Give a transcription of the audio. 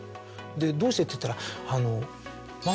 でどうして？って言ったら。